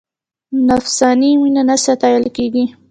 نفساني مینه نه ستایل کېږي.